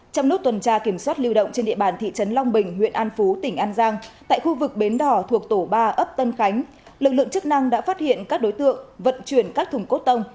trong lúc tuần tra kiểm soát lưu động trên địa bàn thị trấn long bình huyện an phú tỉnh an giang tại khu vực bến đỏ thuộc tổ ba ấp tân khánh lực lượng chức năng đã phát hiện các đối tượng vận chuyển các thùng cốt tông